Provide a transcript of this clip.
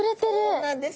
そうなんですよ。